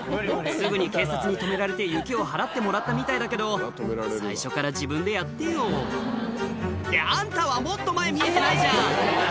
すぐに警察に止められて雪を払ってもらったみたいだけど最初から自分でやってよってあんたはもっと前見えないじゃん！